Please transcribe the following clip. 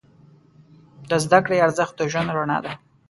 د زده کړې ارزښت د ژوند رڼا ده.